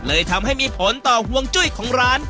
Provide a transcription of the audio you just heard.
เลยทำให้มีผลต่อห่วงจุ้ยของร้าน